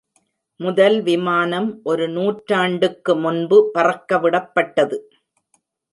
முதல் விமானம் ஒரு நூற்றாண்டுக்கு முன்பு பறக்கவிடப்பட்டது.